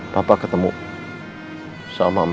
bapak ketemu sama kamu dan tama